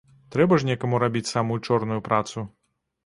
Трэба ж некаму рабіць самую чорную працу.